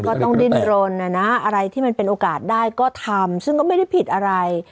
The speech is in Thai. ก็ต้องดิ้นรนนะนะอะไรที่มันเป็นโอกาสได้ก็ทำซึ่งก็ไม่ได้ผิดอะไร